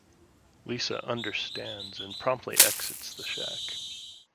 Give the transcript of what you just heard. Lisa understands and promptly exits the shack.